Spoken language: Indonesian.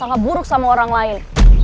apakah buruk sama orang lain